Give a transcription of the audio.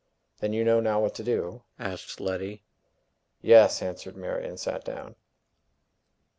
"Then you know now what to do?" asked Letty. "Yes," answered Mary, and sat down.